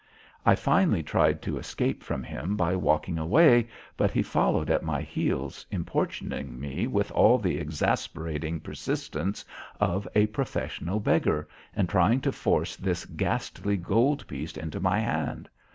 I finally tried to escape from him by walking away, but he followed at my heels, importuning me with all the exasperating persistence of a professional beggar and trying to force this ghastly gold piece into my hand.